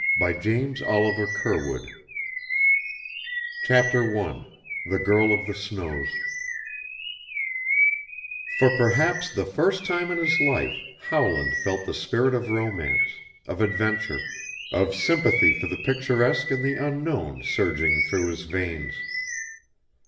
Meleese THE DANGER TRAIL CHAPTER I THE GIRL OF THE SNOWS For perhaps the first time in his life Howland felt the spirit of romance, of adventure, of sympathy for the picturesque and the unknown surging through his veins.